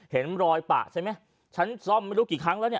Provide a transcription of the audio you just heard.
เห็นรอยปะใช่ไหมฉันซ่อมไม่รู้กี่ครั้งแล้วเนี่ย